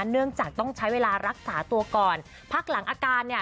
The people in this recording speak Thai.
เนื่องจากต้องใช้เวลารักษาตัวก่อนพักหลังอาการเนี่ย